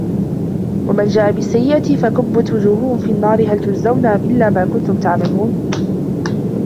وَمَن جاءَ بِالسَّيِّئَةِ فَكُبَّت وُجوهُهُم فِي النّارِ هَل تُجزَونَ إِلّا ما كُنتُم تَعمَلونَ